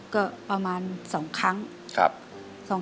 ก็ประมาณ๒ครั้ง